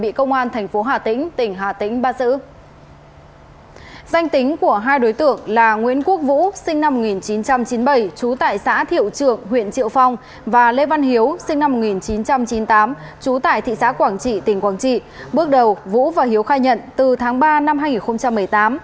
bước đầu vũ và hiếu khai nhận từ tháng ba năm hai nghìn một mươi tám